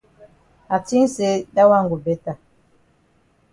I tink say dat wan go beta.